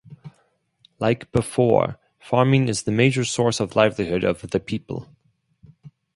Like before, farming is the major source of livelihood of the people.